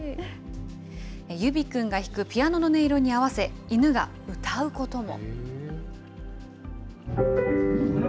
ユビ君が弾くピアノの音色に合わせ、犬が歌うことも。